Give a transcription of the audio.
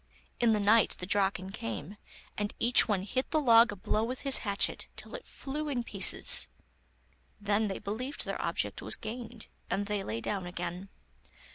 In the night the Draken came, and each one hit the log a blow with his hatchet, till it flew in pieces. Then they believed their object was gained, and they lay down again.